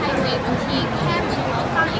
ช่องความหล่อของพี่ต้องการอันนี้นะครับ